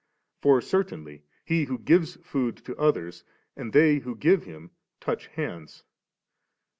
For certainly he who gives food to others, and they who give him, touch hands.